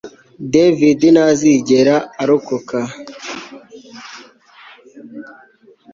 David ntazigera arokoka